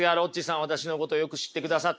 私のことよく知ってくださってる。